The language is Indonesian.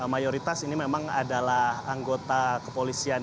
mayoritas ini memang adalah anggota kepolisian